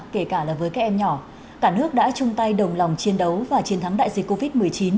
kể cả là với các em nhỏ cả nước đã chung tay đồng lòng chiến đấu và chiến thắng đại dịch covid một mươi chín